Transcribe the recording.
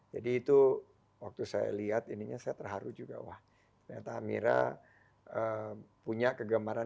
jadi itu waktu saya lihat ininya saya terharu juga wah ternyata amira punya kegemaran